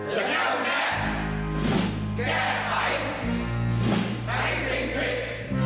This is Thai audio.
จะเง่าแน่แก้ไภให้สิ่งผิด